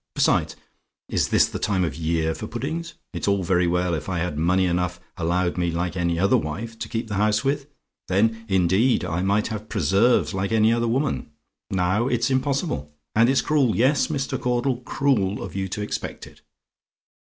Besides, is this the time of the year for puddings? It's all very well if I had money enough allowed me like any other wife to keep the house with: then, indeed, I might have preserves like any other woman; now, it's impossible; and it's cruel yes, Mr. Caudle, cruel of you to expect it.